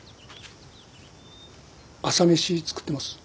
朝飯作ってます